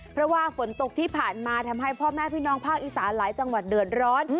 เพราะว่าฝนตกที่ผ่านมาทำให้พ่อแม่พี่น้องภาคอีสานหลายจังหวัดเดือดร้อน